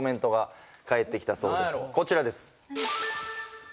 こちらです